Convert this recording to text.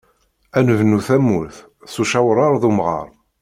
Ad nebnu tamurt, s ucawrar d umɣaṛ.